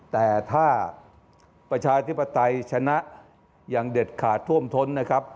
แต่ถ้าประชาธิปไตยชนะอย่างเด็ดขาดท่วมท้นนะครับ